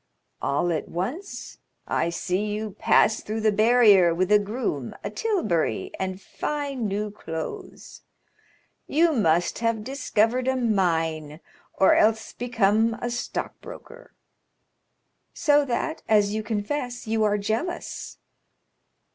"All at once I see you pass through the barrier with a groom, a tilbury, and fine new clothes. You must have discovered a mine, or else become a stockbroker." "So that, as you confess, you are jealous?"